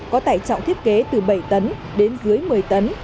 có tải trọng thiết kế từ bảy tấn đến dưới một mươi tấn